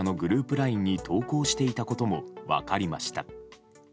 ＬＩＮＥに投稿していたことも分かりました。